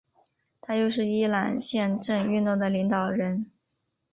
他又是伊朗宪政运动的领导人。